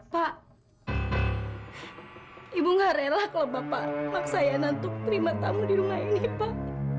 pak ibu nggak rela kalau bapak maksayanan untuk terima tamu di rumah ini pak